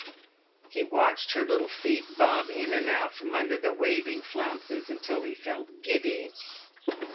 He watched her little feet bob in and out from under the waving flounces until he felt giddy.